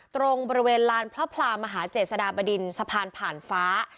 ตรงบริเวณลานพระพลามหาเจษฎาบดินสะพานผ่านฟ้า